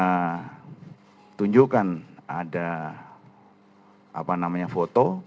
kita tunjukkan ada apa namanya foto